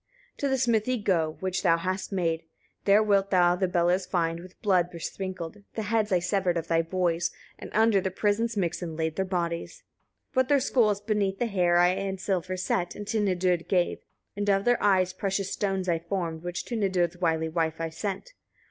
32. To the smithy go, which thou hast made, there wilt thou the bellows find with blood besprinkled. The heads I severed of thy boys, and under the prison's mixen laid their bodies. 33. But their skulls beneath the hair I in silver set, and to Nidud gave; and of their eyes precious stones I formed, which to Nidud's wily wife I sent.